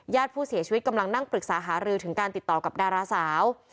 ผู้เสียชีวิตกำลังนั่งปรึกษาหารือถึงการติดต่อกับดาราสาว